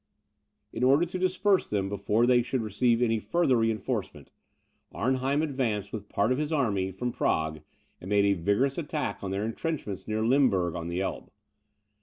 In order to disperse them before they should receive any further reinforcement, Arnheim advanced with part of his army from Prague, and made a vigorous attack on their entrenchments near Limburg, on the Elbe.